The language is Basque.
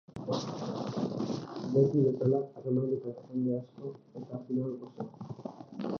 Beti bezala harmailetan jende asko eta final gosea.